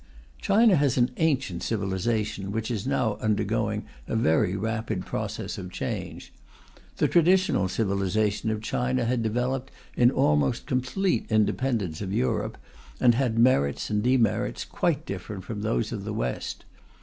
China has an ancient civilization which is now undergoing a very rapid process of change. The traditional civilization of China had developed in almost complete independence of Europe, and had merits and demerits quite different from those of the West.